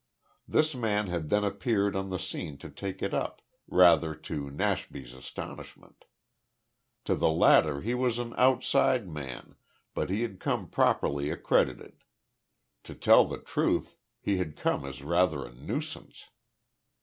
This man had then appeared on the scene to take it up, rather to Nashby's astonishment. To the latter he was an "outside" man, but he had come properly accredited. To tell the truth, he had come as rather a nuisance.